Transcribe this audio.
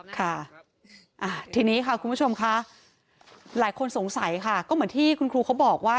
ค่ะทีนี้ค่ะคุณผู้ชมค่ะหลายคนสงสัยค่ะก็เหมือนที่คุณครูเขาบอกว่า